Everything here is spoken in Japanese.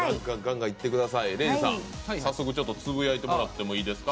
レイジさん、早速つぶやいてもらっていいですか。